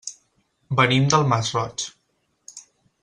Venim del Masroig.